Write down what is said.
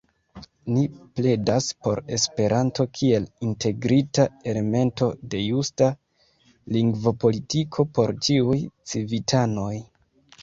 Ni pledas por Esperanto kiel integrita elemento de justa lingvopolitiko por ĉiuj civitanoj.